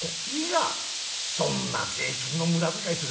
そんな税金の無駄遣いする